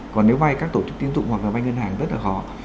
còn nếu vai các tổ chức tiến dụng hoặc là vai ngân hàng rất là khó